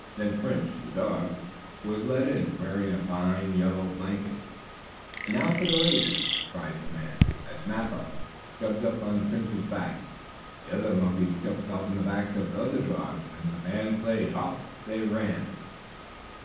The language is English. Then Prince, the dog, was led in, wearing a fine yellow blanket. "Now for the race!" cried the man, as Mappo jumped up on Prince's back. The other monkeys jumped up on the backs of other dogs, and, as the band played, off they ran.